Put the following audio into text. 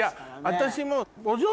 私も。